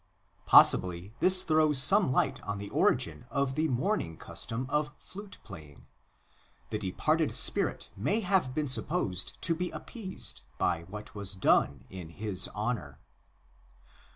2 Possibly this throws some light on the origin of the mourning custom of flute playing ; the departed spirit may have been supposed to be appeased by what was done in his honour.